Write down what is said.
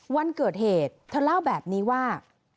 วันเกิดเหตุเธอเล่าแบบนี้ว่า